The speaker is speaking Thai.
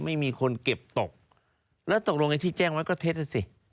ไม่มีคนเก็บตกแล้วตกลงไอ้ที่แจ้งไว้ก็เท็จนะสิ